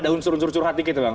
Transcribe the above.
ada unsur unsur curhat dikit bang